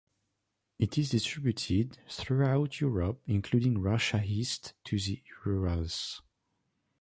It is distributed throughout Europe including Russia east to the Urals.